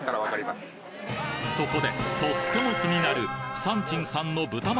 そこでとっても気になる